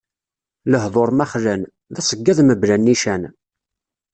Lehduṛ ma xlan, d aṣeggad mebla nnican.